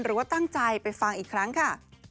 หรือว่าตั้งใจไปฟังอีกครั้งค่ะ